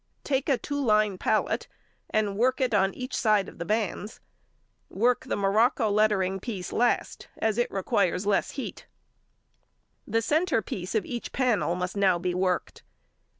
Take a two line pallet, and work it on each side of the bands. Work the morocco lettering piece last, as it requires less heat. The centre piece of each panel must now be worked.